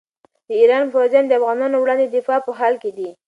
د ایران پوځیان د افغانانو وړاندې د دفاع په حال کې دي.